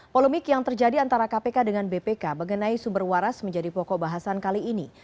polemik yang terjadi antara kpk dengan bpk mengenai sumber waras menjadi pokok bahasan kali ini